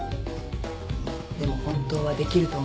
でも本当はできると思っている。